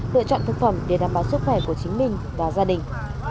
lựa chọn thực phẩm để đảm bảo sức khỏe của chính mình và gia đình